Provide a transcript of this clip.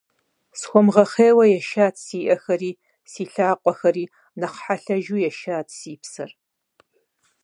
Схуэмыгъэхъейуэ ешат си Ӏэхэри, си лъакъуэхэри, нэхъ хьэлъэжу ешат си псэр.